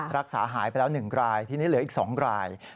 รักษาหายไปแล้ว๑รายทีนี้เหลืออีก๒ราย